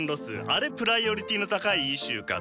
あれプライオリティーの高いイシューかと。